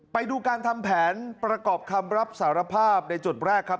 ไปดูการทำแผนประกอบคำรับสารภาพในจุดแรกครับ